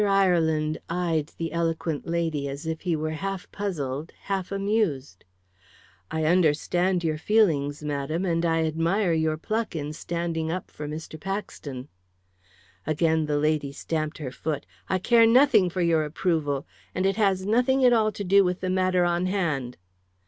Ireland eyed the eloquent lady as if he were half puzzled, half amused. "I understand your feelings, madam, and I admire your pluck in standing up for Mr. Paxton." Again the lady stamped her foot. "I care nothing for your approval! And it has nothing at all to do with the matter on hand."